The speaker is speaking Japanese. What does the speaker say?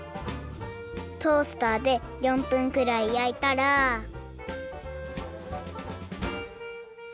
トースターで４分くらいやいたらチン！